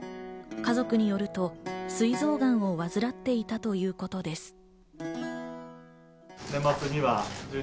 家族によると、すい臓がんを患っていたということです。